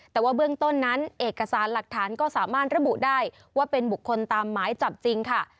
แต่ว่าเบื้องต้นนั้นเอกสารหลักฐานก็สามารถระบุได้ว่าเป็นบุคคลตามหมายจับจริงค่ะ